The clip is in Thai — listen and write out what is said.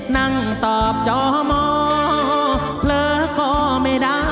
นั่งตอบจอมอเผลอก็ไม่ได้